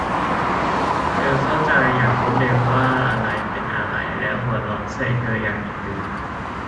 เธอเข้าใจอย่างรวดเร็วว่าอะไรเป็นอะไร และหัวเราะใส่เธออย่างเอ็นดู